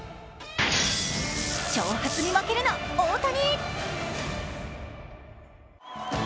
挑発に負けるな、大谷！